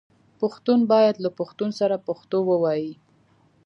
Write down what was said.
پښتون باید له پښتون سره پښتو ووايي